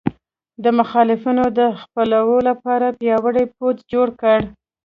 د مخالفینو د ځپلو لپاره پیاوړی پوځ جوړ کړ.